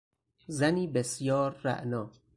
زنی بسیار رعنا